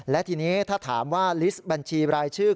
และทีนี้ถ้าถามว่าลิสต์บัญชีรายชื่อ